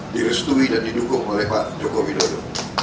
diristui dan didukung oleh pak jokowi dodo